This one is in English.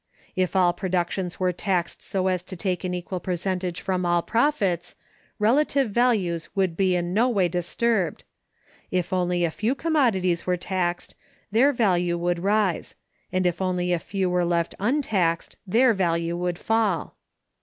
If all productions were taxed so as to take an equal percentage from all profits, relative values would be in no way disturbed. If only a few commodities were taxed, their value would rise; and if only a few were left untaxed, their value would fall.